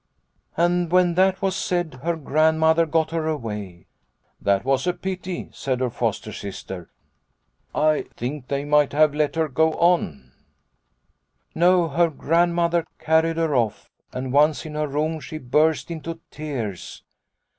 " And when that was said her Grandmother got her away." " That was a pity," said her foster sister ;" I think they might have let her go on," 54 Liliecrona's Home " No, her Grandmother carried her off, and once in her room she burst into tears.